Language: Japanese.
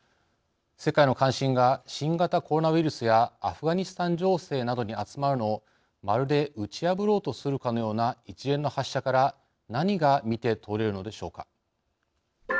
世界の関心が新型コロナウイルスやアフガニスタン情勢などに集まるのをまるで打ち破ろうとするかのような一連の発射から何が見て取れるのでしょうか。